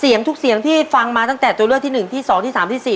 เสียงทุกเสียงที่ฟังมาตั้งแต่ตัวเลือกที่หนึ่งที่๒ที่๓ที่๔